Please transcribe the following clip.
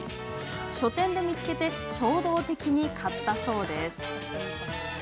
書店で見つけて衝動的に買ったそうです。